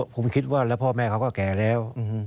ผมคิดว่าแล้วพ่อแม่เขาก็แก่แล้ว